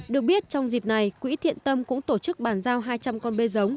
được biết trong dịp này quỹ thiện tâm cũng tổ chức bàn giao hai trăm linh con bê giống